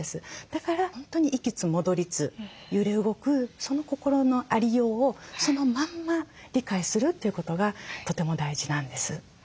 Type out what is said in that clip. だから本当に行きつ戻りつ揺れ動くその心のありようをそのまんま理解するということがとても大事なんです。